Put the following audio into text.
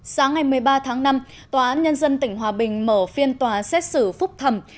sáng ngày một mươi ba tháng năm tòa án nhân dân tỉnh hòa bình mở phiên tòa xét xử phúc thẩm